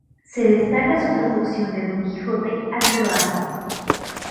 Se destaca su traducción de "Don Quijote" al croata.